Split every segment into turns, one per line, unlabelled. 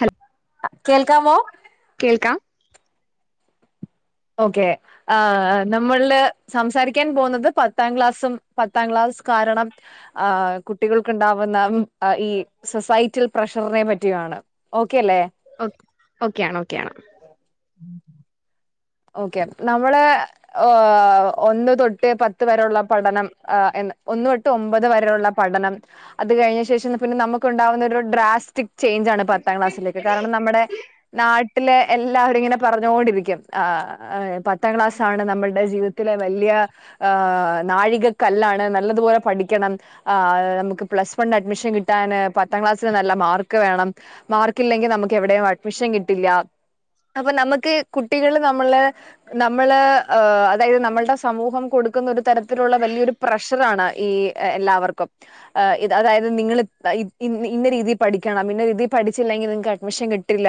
Hello
കേൾക്കാമോ
കേൾക്കാം
okay ആ നമ്മള് സംസാരിക്കാൻ പോകുന്നത് പത്താം ക്ലാസും പത്താം ക്ലാ സ് കാരണം കുട്ടികൾക്ക് ഉണ്ടാവുന്ന ഈ സൊസൈറ്റിയൽ പ്രഷറിനെ പറ്റി ആ ഓക്കെ
ഓക്കെയ ആണ ഓക്കെയ ആണ്
ഓക്കെ നമ്മള ഒന്ന് തൊട്ട് പത്ത് വരെയുള്ള പഠനം ഒന്ന് ഒട്ട് ഒമ്പത് വരെയുള്ള പഠനം അത് കഴിഞ്ഞ ശേഷം പിന്നെ നമുക്ക് ഉണ്ടുന്ന ഡ്രാസ്റ്റിക് ചേഞ്ച്ആണ് പത്താം ക്ലാസ്സിലേക്ക് കാരണം നമ്മുടെ നാട്ടിലെ എല്ലാവരും ഇങ്ങനെ പറഞ്ഞുകൊണ്ടിരിക്കും ആ പത്താം ക്ലാസ്ണ് നമ്മളുടെ ജീവിതത്തിലെ വലിയ നാഴികക്കല്ലാ ണ് നല്ലതുപോലെ പഠിക്കണം നമുക്ക് പ്ലസ് വൺ അഡ്മിഷൻ കിട്ടൻ പത്താം ക്ലാസ്സിന് നല്ല മാർക്ക് വേണം മാർക്ക്ല്ലെങ്കിൽ നമുക്ക് എവിടെ അഡ്മിഷൻ കിട്ടില്ല അപ്പൊ നമക്ക് കു ട്ടികൾ നമ്മള് നമ്മള് അതായത് നമ്മളുടെ സമൂഹം കൊടുക്കുന്ന ഒരു തരത്തിലുള്ള വലിയൊരു പ്രഷറ ഈ എല്ലാവർക്കും അത് നിങ്ങ രീതിഠ പിന്നെതി പഠിച്ചില്ലെങ്കിൽ നിക്ക് അഡ്മിഷൻ കിട്ടില്ല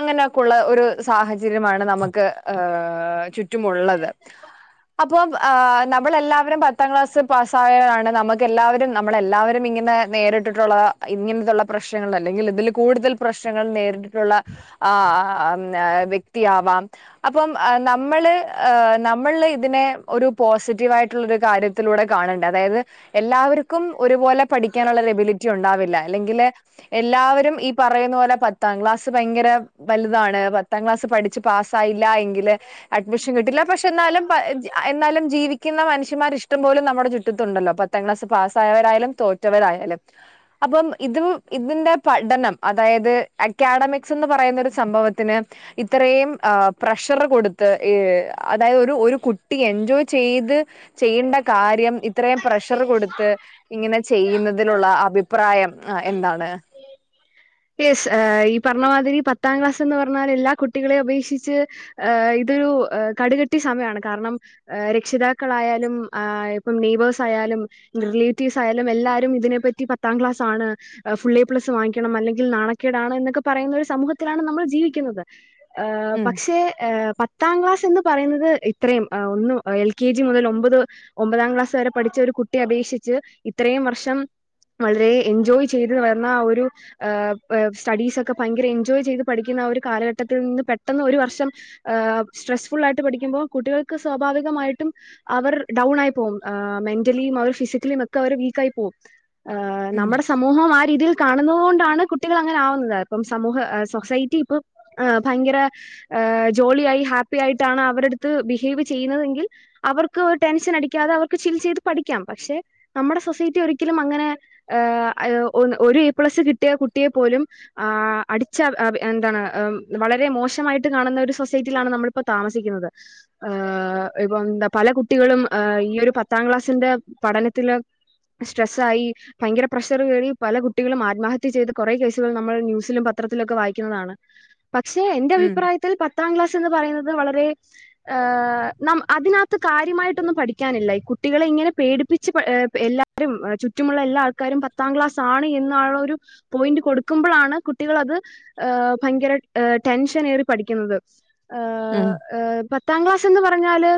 അങ്ങനെൊക്കെള്ള ഒരു സാഹയ ചമാണ് നമുക്ക് ഹ ചുറ്റുമുള്ളത്
ആ
അപ്പം നമ്മളെല്ലാവരും പത്താം ക്ലാസ്സ് പാസ്സ ആയതാണ് നമക്ക് എല്ലാവരും നമ്മളെല്ലാവരും ഇങ്ങനെ നേരിട്ടിട്ടുള്ള ഇങ്ങനുള്ള പ്രശ്നങ്ങ അല്ലെങ്കിൽ ഇതിൽ കൂടുതൽ പ്രശ്നങ്ങൾ നേരിട്ടട്ടുള്ള ആ യാവാം അപ്പം നമ്മള് ആഹ് നമ്മള് ഇതിനെ ഒരു പോസിറ്റീവായിട്ടുള്ളരു കാര്യത്തിലൂടെ കാണണ്ടെ അതായത് എല്ലാവര്ക്കും ഒരുപോലെ പഠിക്കാനുള്ള ഒരു എബിലിറ്റി ഉണ്ടാവില്ല അല്ലെങ്കിലെ എല്ലാവരും ഈ പറയുന്നത്പോലെ പത്താം ക്ലാസ്സ് ഭയങ്കര വലുതാണ് പത്താം ക്ലാസ് പഠിച്ച് പാസായി ല്ലായെങ്കില് അഡ്മിഷൻ കിട്ടില്ല പക്ഷെ എന്നാലും എന്നാലും ജീവി കുന്ന മനുഷ്യമാർ ഇഷ്ടം പോലും നമ്മുടെ ചുറ്റത്തുണ്ടല്ലോ പത്താം ക്ലാസ് പാസ്സായവരായാലും തോറ്റവരായാലും അപ്പം ഇതും ഇതിന്റെ പഠനം അതായത് അക്കാഡമിക്സ് എന്ന് പറയുന്ന ഒരു സംഭവത്തിന് ഇത് ഇത്രയും ആ പ്രഷർ കൊടുത്ത് ഏ അതായത് ഒരു ഒരു കുട്ടി എൻജോയ് ചെയ്ത് ചെയ്യേണ്ട കാര്യം ഇത്രയും പ്രഷർ കൊടുത്ത് ഇങ്ങനെ ചെയ്യുന്നതിലുള്ള അഭിപ്രായം ആ എന്താണ്
യെസ് ഈ പറഞ്ഞമാതിരി പത്താം ക്ലാസ് എന്ന് പറഞ്ഞാൽ എല്ലാ കുട്ടികളെയും അപേക്ഷിച്ച് ആ ഇത് ഒരുകടുകെട്ടി സമയാണ് കാരണം രക്ഷിതാക്കളായാലും ഇപ്പം നെയ്ബേഴ്സ് ആയാലും റിലേറ്റീവ്സ് ആയാലും എല്ലാരും ഇതിനെപ്പറ്റി പത്താം ക്ലാസ് ആണ് ഫുള്ളേപ്ലസ് വാങ്ങിക്കണം അല്ലെങ്കി ങ്കിൽ നാണക്കേടാണ് എന്നൊക്കെ പറയുന്ന ഒരു സമൂഹത്തിലാണ് നമ്മൾ ജീവിക്കുന്നത് ആഹ്
ഉം
പക്ഷേ ഏ പത്താം ക്ലാസ് എന്ന് പറയുന്നത് ഇത്രയും ഒന്നും എൽ കെ ജി മുതൽ ഒമ്പത് ഒമ്പതാം ക്ലാസ് വരെ പഠിച്ച ഒരു കുട്ടിയെ അപേക്ഷി ഇത്രയും വർഷം വളരെ എൻജോയ് ചെയ്ത് വരുന്ന ആ ഒരു ആ സ്റ്റ്ഡീസോക്കെ ഭയങ്കര എൻജോയ് ചെയ്ത് പഠിക്കുന്ന ആ ഒരു കാലഘട്ടത്തിൽ നിന്ന് പെട്ടെന്ന് ഒരു വർഷം സ്ട്രെസ്ഫുൾ ആയിട്ട് പഠിക്കുമ്പോൾ കുട്ടികൾക്ക് സ്വാഭാവികമായിട്ടും അവർ ഡൗൺ ആയിപോകും ആമെന്റ് മെന്റലിയും ഫിസിക്കലിയും ഒക്കെ അവർ വീക്കായി പോകും
ഉം
നമ്മുടെ സമൂഹം ആ രീതിയിൽ കാണുന്നത് കൊണ്ടാണ് ണ്കുട്ടികളങ്ങനെ ആകുന്നത് ഇപ്പം സമൂഹ സൊസൈറ്റി ഇപ്പൊ ഭയങ്കര ജോളിയായി ഹാപ്പി ആയിട്ടാണ് അവരെട്ത്ത് ബിഹേവ് ചെയ്യുന്നതെങ്കിൽ അവർക്ക് ടെൻഷൻ അടിക്കാതെ അവർക്ക് ചിൽ ചെയ്ത് പഠി ക്കാം പക്ഷെ നമ്മടെ സൊസൈറ്റി ഒരിക്കലും അങ്ങനെ ഏഹ് ഒരു എ പ്ലസ് കിട്ടിയ കുട്ടി കുട്ടിയെ പോലും ആ അടിച്ച എന്താണ് വളരെ മോശമായിട്ട് കാണുന്ന ഒരു സൊസൈറ്റിയിലാണ് നമ്മളിപ്പോ താമസിക്കുന്നത് ഏ ഇപ്പന്തപല കുട്ടികളും ഈ ഒരു പത്താം ക്ലാസിന്റെ പഠനത്തില് സ്ട്രെസ്സായി ഭയങ്കര പ്രഷർ കേറി പല കുട്ടികളും ആത്മഹത്യ ചെയ്ത് കുറേ കേസുകൾ നമ്മൾ ന്യൂസിലും പത്രത്തിലൊക്കെ വായിക്കുന്നതാണ് പക്ഷെ എന്റെ
ഉം
അഭിപ്രായത്തിൽ പത്താം ക്ലാസ് എന്ന് പറയുന്നത് വളരെ ആഹ് അതിനകത്ത് കാര്യമായിട്ടൊന്നും പഠിക്കാനില്ല കുട്ടികളെ ഇങ്ങനെ പേടി പ്പിച്ച് ഏ എല്ലാരും ചറ്റുമുള്ള എല്ലാ ആൾക്കാരും പത്താം ക്ലാസ് ആണ് എന്നാണൊരു പോയിന്റ് കൊടുക്കുമ്പോഴാണ് കുട്ടികൾ അത് ഭയങ്കര ടെൻഷൻ ഏറി പഠിക്കുന്നത്
ഉം
ആഹ് ഏഹ് പത്താം ക്ലാസ്ന്ന് പറഞ്ഞാല്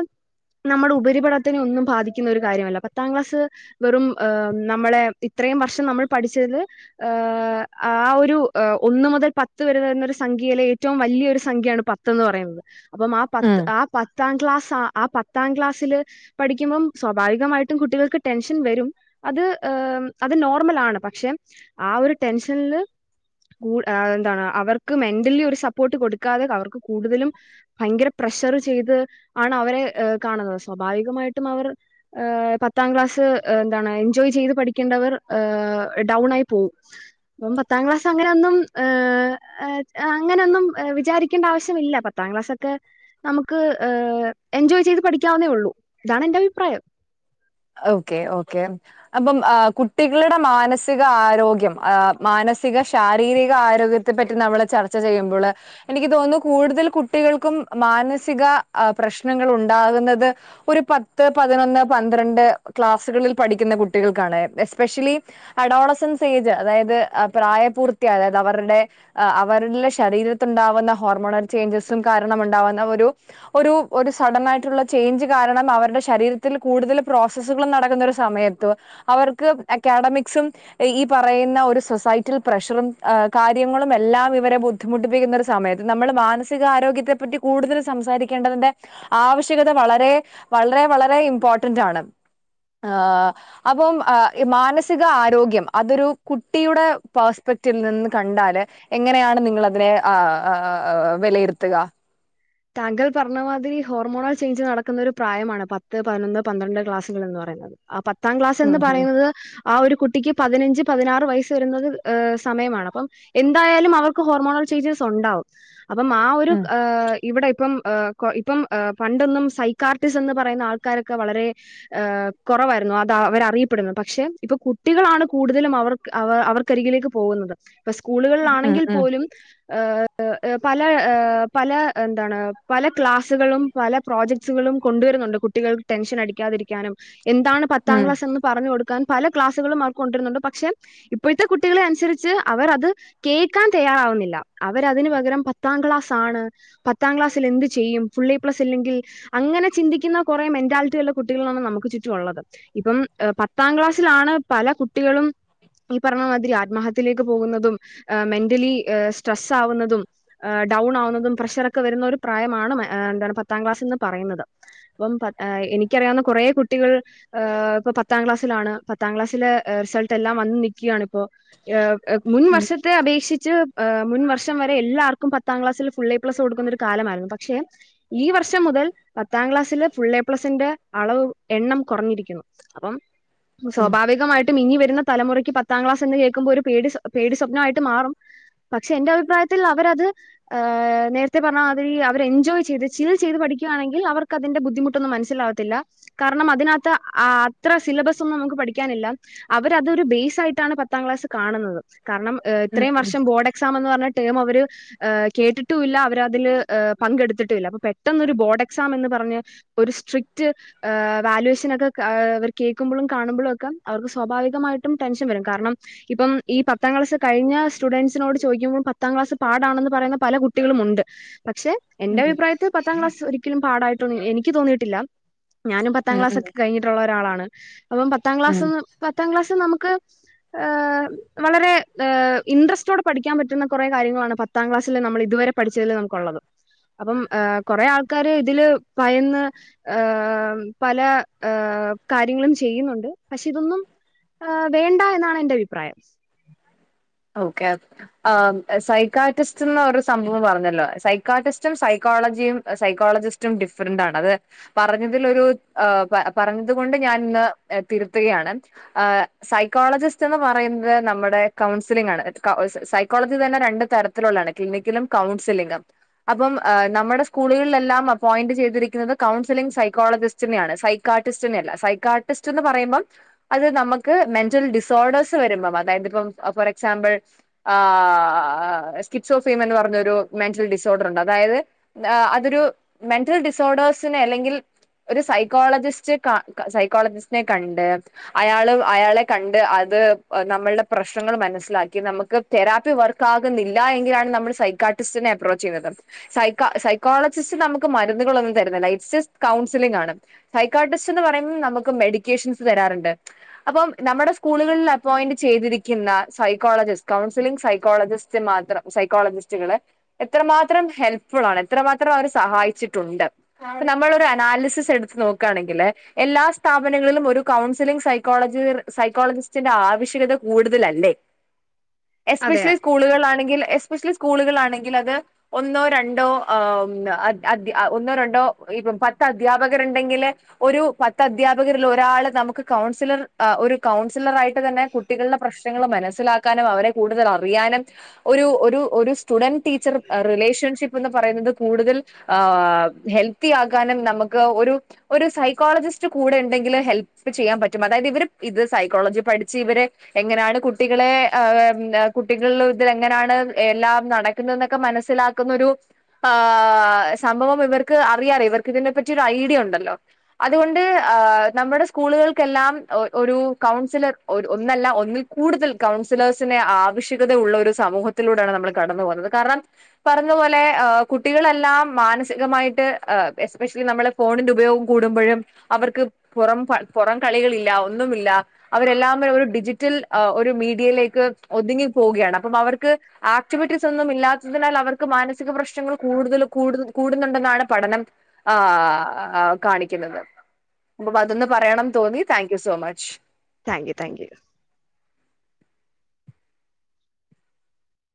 നമ്മുടെ ഉപരിപഠത്തിനെ ഒന്നും ബാധിക്കുന്ന ഒരു കാര്യമല്ല പത്താം ക്ലാസ് വെറും ആഹ് നമ്മളെ അത്രയും വർഷം നമ്മൾ പഠിച്ചത് ആഹ് ആ ഒരു ഒന്നു മുതൽ പത്ത് വരെ വരുന്ന ഒരു സംഖ്യയിലെ ഏറ്റവും വല്യൊരു സംഖ്യയാണ് പത്ത് ന്ന് പറയുന്നത്. അപ്പം ആ
ഉം
പത്ത്ആ പത്താം ക്ലാസാ ആപത്ത് പത്താം ക്ലാസില് പഠിക്കുമ്പോം സ്വാഭാവികമായിട്ടും കുട്ടികൾക്ക് ടെൻഷൻ വരും. അത് ഏം നോർമലാണ് പക്ഷെ ആ ഒരു ടെൻഷനില് കൂടു എന്താണ് അവർക്ക് മെന്റലി ഒരു സപ്പോർട്ട് കൊടുക്കാതെ അവർക്ക് കൂടുതലും ഭയങ്കര പ്രതേ പ്രഷർ ചെയ്ത് ആണ് അവരെ ഏ കാണുന്നത്. സ്വാഭാവികമായിട്ടും അവർ ഏ പത്താം ക്ലാസ്സ് എന്താണ് എൻജോയ് ചെയ്ത് പഠിക്കേണ്ടവർ ഏഹ് ഡൗൺ ആയി പോവും. അപ്പം പത്താം ക്ലാസ് അങ്ങനെ ഒന്നും ഏഹ്അങ്ങനൊന്നും വിചാരിക്കേണ്ട ആവശ്യമില്ല. പത്ത് പത്താം ക്ലാസ് ഒക്കെ നമുക്ക് ഏഹ് എൻജോയ് ചെയ്ത് പഠിക്കാവുന്നതേള്ളൂ. ഇതാണ് എന്റെ അഭിപ്രായം.
[inaudible] ഓക്കെ, ഓക്കെ അപ്പം ആ കുട്ടികളുടെ മാനസിക ആരോഗ്യം ആ മാന മസിക ശാരീരിക ആരോഗ്യത്തെ പറ്റി നമ്മള് ചർച്ച ചെയ്യുമ്പോള് എനിക്ക് തോന്നുന്നു കൂടുതൽ കുട്ടികൾക്കും. മാനസിക പ്രശ്നങ്ങളുണ്ടാകുന്നത് ഒരു പത്ത്, പതിനൊന്ന്, പന്ത്ര ന്ത്രണ്ട് ക്ലാസ്സുകളിൽ പഠിക്കുന്ന കുട്ടികൾക്കാണ്. എസ്പെഷ്യലി അഡോളസൻസ് ഏയ്ജ് അതായത് പ്രായപൂർത്തി അയത്, അവരുടെ അവരിലെ ശരീരത്തിലുണ്ടാവുന്ന ഹോർമോണൽ ചേയ്ഞ്ചസും. കാര്യ കാരണം ഉണ്ടാവുന്ന ഒരു ഒരു സഡനായിട്ടുള്ള ചേയ്ഞ്ച് കാരണം അവരുടെ ശരീരത്തിൽ കൂടുതൽ പ്രോസസുകൾ നടക്കുന്ന ഒരു സമയത്ത് അവർക്ക് അക്കാഡമിക്സും, ഈ പറയുന്ന. ഒരു സിസ് ഫൈറ്റിൽ പ്രഷറും കാര്യങ്ങളും എല്ലാം ഇവരെ ബുദ്ധിമുട്ടിപ്പിക്കുന്ന ഒരു സമയത്ത് നമ്മുടെ മാനസികാരോഗ്യ ത്തെ പറ്റി കൂടുതൽ സംസാരിക്കേണ്ടതിന്റെ ആവശ്യകത വളരെ വളരെ വളരെ ഇമ്പോർട്ട [unintelligible] ആ അപ്പം ഈ മാനസിക ആരോഗ്യം അതൊരു കുട്ടിയുടെ പേസ് റ്റിൽ നിന്ന് കണ്ടാല് എങ്ങനെയാണ് നിങ്ങളതിനെ ആ ആ ആ വിലയിരുത്തുക.
താങ്കൾ പറഞ്ഞമാതിരി ഹോർമോണൽ ചെയ്ഞ്ച് നടക്കുന്നൊരു പ്രായമാണ് പത്ത്, പതിനൊന്ന്, പന്ത്രണ്ട് ക്ലാസുകൾ എന്ന് പറഞ്ഞ ആ പത്താം ക്ലാസ്
ഉം
എന്ന്
ഉം
പറയുന്നത്. ആ ഒരു കുട്ടിക്ക് പതിനഞ്ച് പതിനാറ് വയസ്സ് വരുന്നത് സമയമാണ് അപ്പം എന്തായാലും അവർക്ക് ഹോർമോണൽ ചേയിഞ്ചസുണ്ടാവും. അപ്പോ ആ ഒരു
ഉം
ഇവിടെ ഇപ്പം ഇപ്പം പണ്ടൊന്നും സൈക്കാർട്ടിസ് എന്ന് പറയുന്ന ആൾക്കാരൊക്കെ വളരെ കുറവായിരുന്നു. അത് അവര അറിയപ്പെടുന്നു. പക്ഷെ ഇപ്പൊ കുട്ടികളാണ് കൂടുതലും അവർക്ക് അവർക്കരികിലേക്ക് പോകുന്നത്.
ഉം
സ്കൂളുകളാണെങ്കിൽ
ഉം
പോലും. പല പല എന്താണ് പല ക്ലാസ്സുകളും പല പ്രോജക്ട്സുകളും കൊണ്ടുവരുന്നുണ്ട്. കുട്ടികൾക്ക് ടെൻഷൻ അടിക്കാതിരിക്കാനും. എന്താണ് പത്താം
ഉം
ക്ലാസ് എന്ന് പറഞ്ഞു കൊടുക്ക പല ക്ലാസ്സുകളും അവർക്ക് കൊണ്ടിരുന്നുണ്ട് പക്ഷെ ഇപ്പോഴത്തെ കുട്ടികളെ അനുസരിച്ച് അവർ അത് കേൾക്കാൻ തയാറ റാവുന്നില്ല അവരതിന് പകരം പത്താം ക്ലാസ് ആണ്. പത്താം ക്ലാസ്സിൽ എന്ത് ചെയ്യും. ഫുള്ള് എ പ്ലസ്ല്ലെങ്കിൽ അങ്ങനെ ചിന്തിക്കുന്ന കുറെ മെന്റാലിറ്റി ഉള്ള കുട്ടികള നമുക്ക് ചുറ്റുമുള്ളത്. ഇപ്പം പത്താം ക്ലാസ്സിലാണ്, പല കുട്ടികളും. ഈ പറഞ്ഞ മാതിരി ആത്മഹത്യയിലേക്ക് പോകുന്നതും. മെന്റലി സ്ട്രെസ്സ് ആവുന്നതും. എ ഡൗൺ ആവുന്നതും. പ്രഷറും ഒക്കെ വരുന്ന ഒരു പ്രായമാണ് മ പത്താക്ലാസ് എന്ന്പറയുന്നത്. അപ്പൊ എനിക്കറിയാവുന്ന കുറ കുറേ കുട്ടികൾ ഇപ്പൊ പത്താം ക്ലാസ്സിലാണ്. പത്താം ക്ലാസ്സിലെ റിസൾട്ട് എല്ലാം വന്ന്, നൽക്കുകയാണ്. ഇപ്പോ?. എ മുൻ
ഉം
വർഷത്തെ അപേക്ഷിച്ച്. മുൻ വർഷം വരെ, എല്ലാർക്കും പത്താം ക്ലാസ്സിൽ ഫുള്ളെ എ പ്ലസ് കൊടുക്കുന്നൊരു കാലമായിരുന്നു. പക്ഷെ ഈ വർഷം മുതൽ പത്താം ക്ലാസ്സില് ഫുൾ എ പ്ലസിന്റെ അളവ് എണ്ണം കുറഞ്ഞിരിക്കുന്നു. അപ്പം
ഉം
സ്വാഭാവികമായിട്ടും ഇനി വരു തലമുറയ്ക്ക് പത്താം ക്ലാസ് എ കേൾക്കുമ്പോ ഒരു പേ പേടി സ്വപ്നമായിട്ട് മാറും. പക്ഷെ എന്റെ അഭിപ്രായത്തിൽ അവരത് ഏ നേരത്തെ പറഞ്ഞാ മാതിരി അവര് എൻജോയ് ചെയ്ത്, ചിൽ ചെയ്ത്. പഠിക്കുകയാണെങ്കിൽ, അവർക്ക് അതിന്റെ ബുദ്ധിമട്ടൊന്നും, മനസ്സിലകത്തില്ല. കാരണം അതിനകത്ത് അത്ര സിലബസ് ഒന്നും നമുക്ക് പഠിക്കാനില്ല അവരതൊരു ബേസ് ആയിട്ടാണ് പത്താംക്ലാ സ് കാണുന്നത്. കാരണം
ഉം
ഇത്രയും
ഉം
വർഷം ബോർഡ് എക്സാം എന്ന് പറഞ്ഞ ടേം അവര് കേട്ടിട്ട ട്ടുല്ല. അവരതില് പങ്കെടുത്തിട്ടുമില്ല, അപ്പൊ പെട്ടെന്നൊരു ബോർഡ് എക്സാം എന്ന് പറഞ്ഞ് ഒരു സ്ട്രിക്റ്റ് ഹ് വാാലുവേഷൻ ഒക്കെ അവർ കേൾക്കുമ്പോഴും, കാണുമ്പോഴും ഒക്കെ. അവർക്ക് സ്വാഭാവികമായിട്ടും ടെൻഷൻ വരും കാരണം. ഇപ്പം ഈ പത്താം ക്ലാസ് കഴിഞ്ഞ സ്റ്റുഡന്റ്സോട് ചോദിക്കുമ്പോ പത്താംക്ലാസ് പാടാണെന്ന് പറയുന്ന പല കുട്ട കുട്ടികളും ഉണ്ട്.. പക്ഷെ എന്റെ
ഉം
അഭിപ്രായത്തില് പത്താം ക്ലാസ്സ് ഒരിക്കലും പാടായിട്ടൊന്നും എനിക്ക് തോന്നിയിട്ടില്ല ഞാനും പത്താം
ഉം
ക്ലാസ് ഒക്കെ
ഉം
കഴിഞ്ഞിട്ടുള്ള ഒരാളാണ് അപ്പം പത്താം
ഉം
ക്ലാസ് പത്താം ക്ാസ് നമുക്ക് ഏ വളരെ ഏ ഇൻട്രസ്റ്റോടെ പഠിക്കാൻ പറ്റുന്ന കുറേ കാര്യങ്ങളണ് പത്ത് പത്താം ക്ലാസ്സിൽ നമ്മൾ ഇതുവരെ പഠിച്ചതിൽ നമുക്കുള്ളതും അപ്പം കൊറെേ ആൾക്കാര് ഇതില് പയന്ന് ഹ പല കാര്യങ്ങളും ചെയ്യുന്നുണ്ട് പക്ഷെ ഇതൊന്നും വേണ്ട എന്നാണ് എന്റെ അഭിപ്രായം
ഓക്കെ ആ സൈക്കാർട്ടിസ്റ്റ്ന്ന് ഒരു സംഭവം പറഞ്ഞല്ലോ സൈക്കാർട്ടിസ്റ്റും സൈക്കോ ക്കോളജിയും സൈകോളജിസ്റ്റും ഡിഫ്റെന്റ് ആണ്.. അത് പറഞ്ഞതിൽ ഒരു ആ പറഞ്ഞതുകൊണ്ട് ഞാൻ ന്ന് തിരുത്തുകയാണ് ആ സൈകോളജിസ്റ്റ് എന്ന് പറയുന്നത് നമ്മുടെ കൗൺ സിലിങ്ങാണ് അറ്റ് ഒ അ സൈയ്ക്കോളജിതന്നെ രണ്ടു തരത്തിലുള്ളണ് ക്ലിനിക്കലും കൗൺസിലിംങും അപ്പം ആ നമ്മുടെ സ്കൂളുകളിലെല്ലാം അപ്പോയിന്റ് ചെയ്തിരിക്കുന്നത് കൗൺസിലി്ങ് സൈക്കോളജിസ്റ്റിനെയാണ് സൈക്കാർട്ടിസ്റ്റിനെയല്ല സൈകാർട്ടിസ്റ്റു എന്നു പറയുംബം അത് നമുക്ക് മെന്റൽ ഡിസ്വർഡേഴ്‌സ് വരുമ്പോ അതായത് ഇപ്പൊ ഫോർ എക് എക്സാമ്പിൾ ആാാ സ്കിറ്റ്സ് ഓഫ്ഫെമിയ എന്ന് പറഞ്ഞരു മെന്റൽ ഡിസോർഡർ ഉണ്ട് അതായത് അതൊരു മെന്റൽ ഡിസോർഡേഴ്സിനന് അല്ലെങ്കിൽ ഒരു സൈക്കോളജിസ്റ്റ് ക സൈക്കോളജിസ്റ്റിനെ കണ്ട് അയാള് അയാളെ കണ്ട് അ അത് നമ്മളുടെ പ്രശ്നങ്ങൾ മനസ്സ് ലാക്കി നമുക്ക് തെറാപ്പി വർക്ക് ആകുന്നില്ല എങ്കിലാണ് നമ്മൾ സൈക്കാർട്ടിസ്റ്റിനെ അപ്രോച്ച് ചെയ്യുന്നത്. സൈക്ക സൈക്കോളജിസ്റ്റ് നമുക്ക് മരുന്നുകളൊന്നും തരുന്നില്ലാ ഇസ്ജസ്റ്റ്‌ കൗൺസിലിംഗ് ആണ്. സൈക്കോട്ടിസ്റ്റ്ന്ന് പറയുബ നമുക്ക് മെഡിക്കേഷൻസ് തരാറ്ണ്ട് അപ്പം നമ്മുടെ സ്കൂളുകളില് അപ്പോയിന്റ് ചെയ്തിരിക്കുന്ന സൈക്കോളജിസ്റ്റ് കൗൺസിലിംഗ് സൈക്കോളജിസ്റ്റ് മാത്രം സൈക്കോളജിസ്റ്റുകള് എത്രമാത്രം ഹെൽപ് ഫുളാണ്, എത്രമാത്രം അവര് സഹായിച്ചിട്ടുണ്ട് അപ്പ നമ്മളുടെ അനാലിസിസ് എടുത്ത് നോക്കാണെങ്കില് എ എല്ലാ സ്ഥാപനങ്ങളിലും ഒരു കൗൺസിലിംഗ് സൈക്കോളജ് സൈക്കോളജിസ്റ്റിന്റെ ആവശ്യകത കൂടുതലല്ലേ.
അതെ
എസ്പെഷ്യലി സ്കൂളുകളാണെങ്കിൽ എസ്പെഷ്യൽ സ്കൂളുകളൾാണെങ്കില് അത് ഒന്നോ രണ്ടോ ആ അദ് അത് ഒന്നോ രണ്ടോ ഇപ്പ ത്ത് അധ്യാപകരുണ്ടെങ്കില് ഒരു പത്ത് അധ്യാപകരിൽ ഒരാള് നമുക്ക് കൗൺസിലർ അ ഒരു കൗൺസിലർ ആയി തന്നെ കുട്ടികളുടെ പ്രശ്നങ്ങൾ മനസിലാക്കാനും അവരെ കൂടുതൽ അറിയാനും ഒരു ഒരു ഒരുസ് സ്റ്റുഡന്റ് ടിച്ചറൂം റിലേഷൻഷിപ് പറയുന്നത് കൂടുതൽ ഹെൽത്തി ആകാനും നമുക്ക് ഒരു സൈക്കോളജിസ് റ്റ് കൂടേണ്ടാകില് ഹെൽപ് ചെയ്യാൻ പറ്റും. അതായത് ഇവർ ഇത് സൈക്കോളജി പഠിച്ച് ഇവര് എങ്ങനെയാണ് കുട്ട് കുട്ടികളെ മ് കുട്ടികളില് ഇത് എങ്ങനാണ് എല്ലാം നടക്കുന്ന ന്നൊക്കെ മനസ്സിലാക്കുന്ന ഒരു ആ സംഭവം ഇവർക്ക് അറിയാറ ഇവർക്ക് ഇതിനെ പറ്റിയൊരു ഐഡിയ ഉണ്ടല്ലോ. അതുകൊണ്ട് ആ നമ്മുടെ സ്കൂളുകൾക്കെല്ലാം ഒ ഒരു കൗൺസിലർ ഒരു ഒന്നല്ല ഒന്നിൽ കൂടുതൽ കൗൺസിലേഴ്സിനേ ആവശ്യകതയുള്ള ഒരു സമൂഹത്തിലൂടെയാണ് നമ്മൾ കടന്നു പോകുന്നത്. കാരണം പറഞ്ഞ തുപോലെ ഏ കുട്ടികളെല്ലാം മാനസികമായിട്ട് എസ്പെഷ്യലി നമ്മളെ ഫോണിന്റെ ഉപയോഗം കൂടുമ്പോഴും അവർക്ക് പുറം പുറം കളികളില്ല ഒന്നുമില്ല അവരെല്ലാം മേ ഒരു ഡിജിറ്റൽ ഒരു മീഡിയലേക്ക് ഒതുങ്ങി പോവുകയാണ്. അപ്പം അവർക്ക് ആക്ടിവിറ്റീസ് ഒന്നും ഇല്ലാത്തതിനാൽ അവർക്ക് മാ മാനസിക പ്രശ്നങ്ങൾ കൂടുതൽ കൂടുകൂടുന്നുണ്ടെന്നാണ് പഠനം ആ കാണിക്കുന്നത്. അപ്പതൊന്ന് പറയണം തോന്നി thank you so much.
Thank you thank U